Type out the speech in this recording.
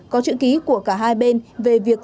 có chữ ký của cả hai bên về việc